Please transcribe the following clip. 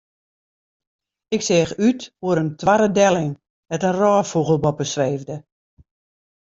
Ik seach út oer in toarre delling dêr't in rôffûgel boppe sweefde.